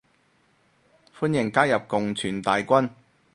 歡迎加入共存大軍